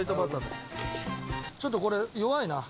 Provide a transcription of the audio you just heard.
ちょっとこれ弱いな。